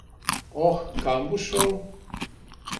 Oh, kam boš šel?